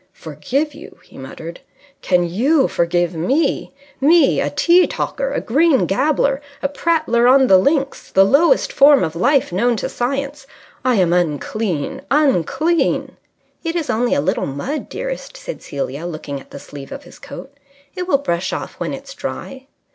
"Forgive you?" he muttered. "Can you forgive me? Me a tee talker, a green gabbler, a prattler on the links, the lowest form of life known to science! I am unclean, unclean!" "It's only a little mud, dearest," said Celia, looking at the sleeve of his coat. "It will brush off when it's dry."